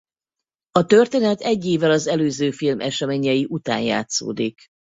A történet egy évvel az előző film eseményei után játszódik.